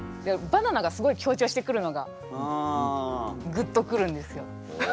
バナナがすごい強調してくるのがグッと来るんですよ。